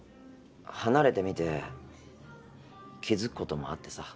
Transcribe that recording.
離れてみて気づく事もあってさ。